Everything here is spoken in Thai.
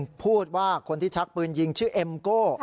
พูดว่าคนที่ชักปืนยิงชื่อเอ็มโก้